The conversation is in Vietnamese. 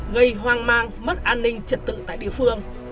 gây hoang mang mất an ninh trật tự tại địa phương